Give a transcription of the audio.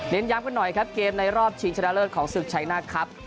เน้นย้ำกันหน่อยครับเกมในรอบชิงชนะเลิศของสืบใช้หน้าครับ